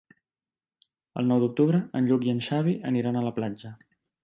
El nou d'octubre en Lluc i en Xavi aniran a la platja.